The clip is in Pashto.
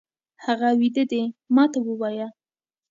هغه ويده دی، ما ته ووايه!